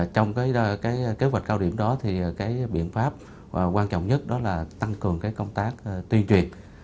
trong kế hoạch cao điểm đó biện pháp quan trọng nhất là tăng cường công tác tuyên truyền